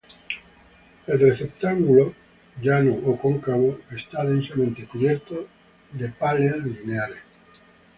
El receptáculo, llano o cóncavo, está densamente cubierto de páleas lineares.